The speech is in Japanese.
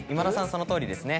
そのとおりですね。